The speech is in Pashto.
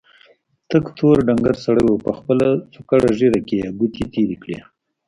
تک تور ډنګر سړي په خپله څوکړه ږيره کې ګوتې تېرې کړې.